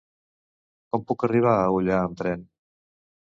Com puc arribar a Ullà amb tren?